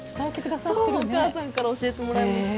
お母さんから教えてもらいました。